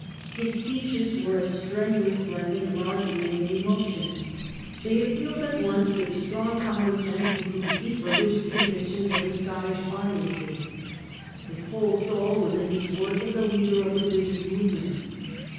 His speeches were a strenuous blending of argument and emotion. They appealed at once to the strong common sense and to the deep religious convictions of his Scottish audiences. His whole soul was in his work as a leader of religious movements.